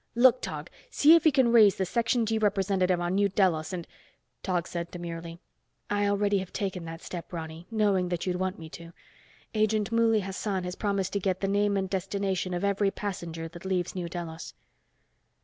Look, Tog, see if you can raise the Section G representative on New Delos and—" Tog said demurely, "I already have taken that step, Ronny, knowing that you'd want me to. Agent Mouley Hassan has promised to get the name and destination of every passenger that leaves New Delos."